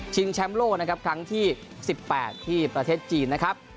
แชมป์โลกนะครับครั้งที่๑๘ที่ประเทศจีนนะครับ